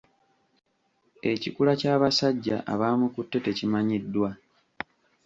Ekikula ky'abasajja abaamukutte tekimanyiddwa.